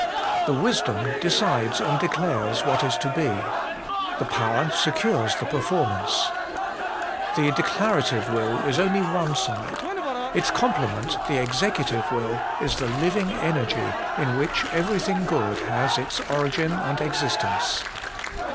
The Wisdom decides and declares what is to be : the Power secures the per formance. The declarative will is only one side; its complement, the executive will, is the living energy in which everything good has its origin and exist ence.